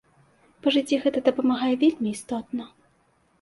Па жыцці гэта дапамагае вельмі істотна.